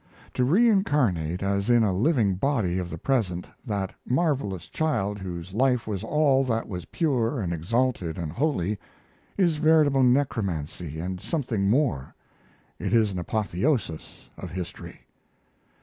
To reincarnate, as in a living body of the present, that marvelous child whose life was all that was pure and exalted and holy, is veritable necromancy and something more. It is the apotheosis of history.